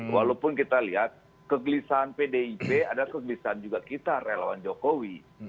walaupun kita lihat kegelisahan pdip adalah kegelisahan juga kita relawan jokowi